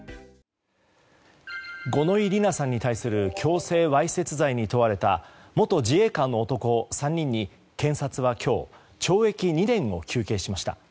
五ノ井里奈さんに対する強制わいせつ罪に問われた元自衛官の男３人に検察は今日懲役２年を求刑しました。